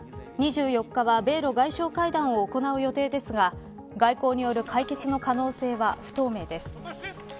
２４日は、米ロ外相会談を行う予定ですが外交による解決の可能性は不透明です。